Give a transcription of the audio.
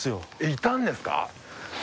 いたんですか？